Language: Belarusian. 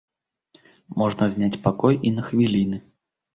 Можна зняць пакой і на хвіліны.